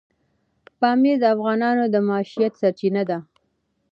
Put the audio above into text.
پامیر د افغانانو د معیشت سرچینه ده.